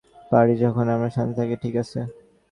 আমরা হেমিংওয়েকে উদ্ধৃত করতে পারি যখন আমরা শান্ত থাকি, ঠিক আছে?